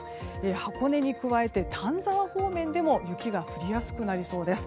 箱根に加えて丹沢方面でも雪が降りやすくなりそうです。